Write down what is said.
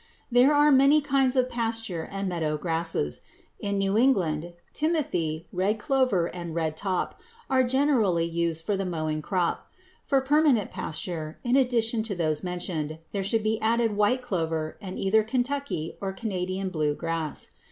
There are many kinds of pasture and meadow grasses. In New England, timothy, red clover, and redtop are generally used for the mowing crop. For permanent pasture, in addition to those mentioned, there should be added white clover and either Kentucky or Canadian blue grass.